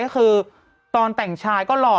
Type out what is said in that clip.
คือตอนแต่งชายก็หล่อ